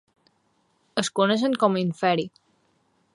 Es coneixen com a Inferi.